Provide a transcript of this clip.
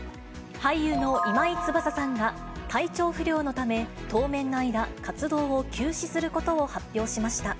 俳優の今井翼さんが、体調不良のため、当面の間、活動を休止することを発表しました。